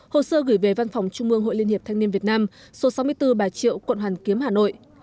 hồ sơ gửi về văn phòng trung mương hội liên hiệp thanh niên việt nam số sáu mươi bốn bà triệu quận hoàn kiếm hà nội